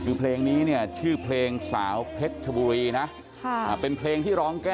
ขอบคุณมากเลยค่ะพี่ฟังเสียงคุณหมอนะฮะพี่ฟังเสียงคุณหมอนะฮะพี่ฟังเสียงคุณหมอนะฮะ